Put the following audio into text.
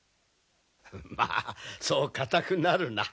まあそう固くなるな。